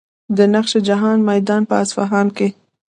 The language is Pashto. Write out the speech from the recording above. د نقش جهان میدان په اصفهان کې دی.